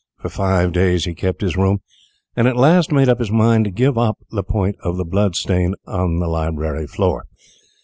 For five days he kept his room, and at last made up his mind to give up the point of the blood stain on the library floor.